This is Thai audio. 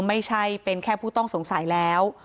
ไม่ใช่เป็นแค่ผู้ต้องสงสัยแล้ว